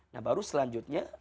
nah baru selanjutnya